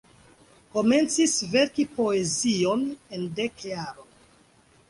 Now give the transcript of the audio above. Komencis verki poezion en dek jaroj.